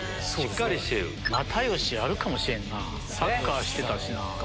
又吉あるかもしれんなサッカーしてたしな。